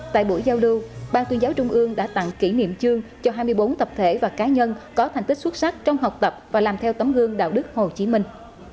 tại buổi giao lưu ban tuyên giáo trung ương đã tặng kỷ niệm chương cho hai mươi bốn tập thể và cá nhân có thành tích xuất sắc trong học tập và làm theo tấm gương đạo đức hồ chí minh